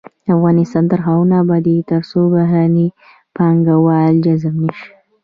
افغانستان تر هغو نه ابادیږي، ترڅو بهرني پانګوال جذب نشي.